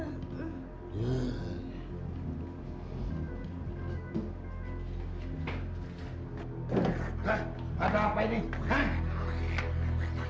lihat ada apa ini